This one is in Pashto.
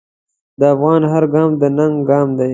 د افغان هر ګام د ننګ ګام دی.